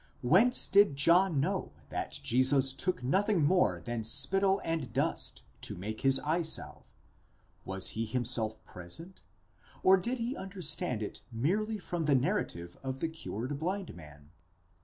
Whence did John know that Jesus took nothing more than spittle and dust to make his eye salve, Was he himself present, or did he understand it merely from the narrative of the cured blind man?